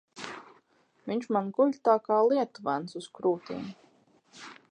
Viņš man guļ tā kā lietuvēns uz krūtīm.